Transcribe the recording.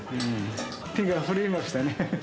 手が震えましたね。